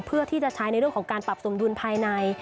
เพื่อที่จะใช้ในเรื่องของการปรับสมดุลภายใน